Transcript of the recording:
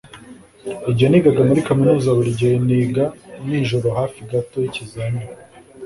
Igihe nigaga muri kaminuza, buri gihe niga nijoro hafi gato yikizamini.